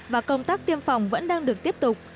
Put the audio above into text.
và công tác tiêm phòng vẫn đang được tiếp tục